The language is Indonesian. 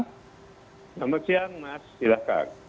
selamat siang mas silahkan